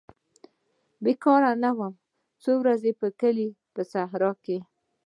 بیکار نه وو څوک په کلي په صحرا کې.